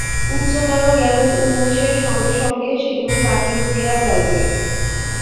উচ্চতর জ্ঞানের উন্মেষের সঙ্গে সঙ্গে সেগুলি বাতিল হইয়া যাইবে।